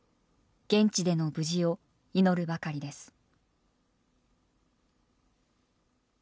現地での無事を祈るばかりです。